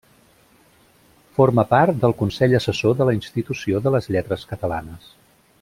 Forma part del Consell Assessor de la Institució de les Lletres Catalanes.